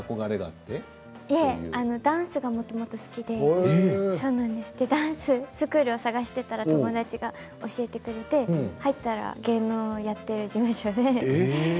いえ、ダンスがもともと好きでダンススクールを探していたら友達が教えてくれて入ったら芸能をやっている事務所で。